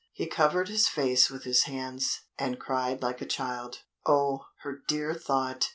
He covered his face with his hands, and cried like a child. Oh! her dear thought!